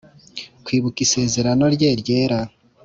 ‘‘Kwibuka isezerano Rye ryera